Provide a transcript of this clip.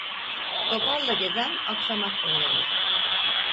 Topalla gezen, aksamak öğrenir.